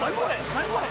何これ？